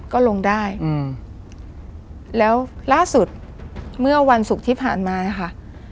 ก็ลงได้อืมแล้วล่าสุดเมื่อวันศุกร์ที่ผ่านมาเนี่ยค่ะ